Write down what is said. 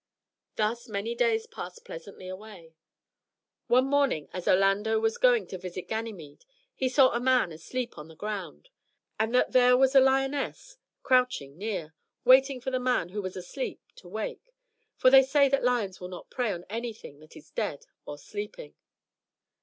Thus many days passed pleasantly away. One morning, as Orlando was going to visit Ganymede, he saw a man asleep on the ground, and that there was a lioness crouching near, waiting for the man who was asleep to wake: for they say that lions will not prey on anything that is dead or sleeping.